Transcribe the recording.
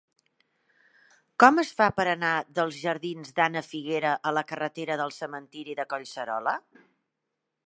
Com es fa per anar de la jardins d'Ana Figuera a la carretera del Cementiri de Collserola?